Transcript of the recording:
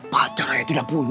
pacar aja tidak punya